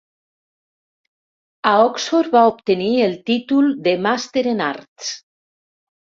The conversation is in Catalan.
A Oxford va obtenir el títol de Màster en Arts.